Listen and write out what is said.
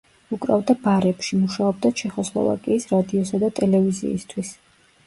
უკრავდა ბარებში, მუშაობდა ჩეხოსლოვაკიის რადიოსა და ტელევიზიისთვის.